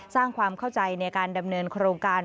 สร้างความเข้าใจในการดำเนินโครงการ